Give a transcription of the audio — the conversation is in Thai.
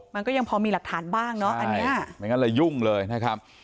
มันก็ยังพอมีหลักฐานบ้างเนอะอันนี้ไม่งั้นเลยยุ่งเลยนะครับ